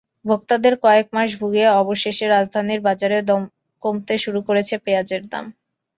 ভোক্তাদের কয়েক মাস ভুগিয়ে অবশেষে রাজধানীর বাজারে কমতে শুরু করেছে পেঁয়াজের দাম।